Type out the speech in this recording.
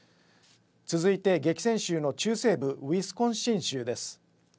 続いて激戦州の中西部ウィスコンシン州です。